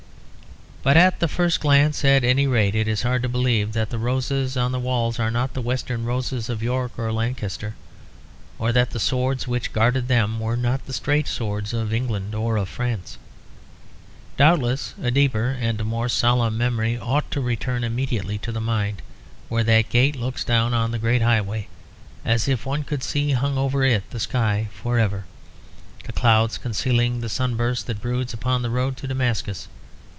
But at the first glance, at any rate, it is hard to believe that the roses on the walls are not the Western roses of York or Lancaster, or that the swords which guarded them were not the straight swords of England or of France. Doubtless a deeper and more solemn memory ought to return immediately to the mind where that gate looks down the great highway; as if one could see, hung over it in the sky for ever, the cloud concealing the sunburst that broods upon the road to Damascus.